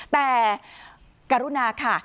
แต่กรุณาค่ะ